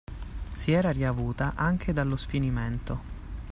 Si era riavuta anche dallo sfinimento.